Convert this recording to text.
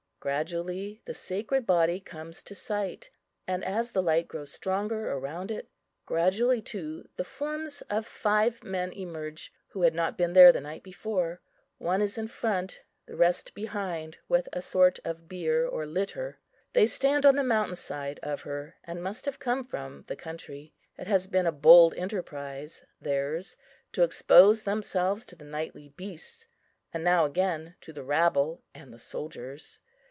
Gradually the sacred body comes to sight; and, as the light grows stronger around it, gradually too the forms of five men emerge, who had not been there the night before. One is in front; the rest behind with a sort of bier or litter. They stand on the mountain side of her, and must have come from the country. It has been a bold enterprise theirs, to expose themselves to the nightly beasts, and now again to the rabble and the soldiers.